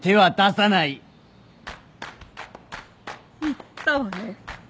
言ったわね。